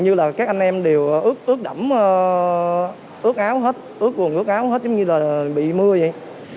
như là các anh em đều ướt đẫm ướt áo hết ướt quần ướt áo hết giống như là bị mưa vậy